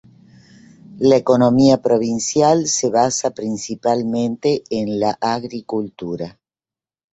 La economía provincial se basa principalmente en la agricultura.